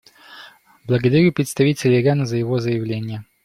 Благодарю представителя Ирана за его заявление.